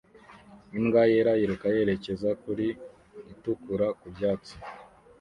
Imbwa yera yiruka yerekeza kuri itukura ku byatsi